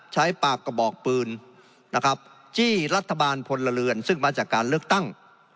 ใช้ปากกระบอกปืนนะครับจี้รัฐบาลพลเรือนซึ่งมาจากการเลือกตั้ง